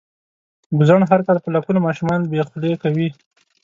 ګوزڼ هر کال په لکونو ماشومان بې خولې کوي.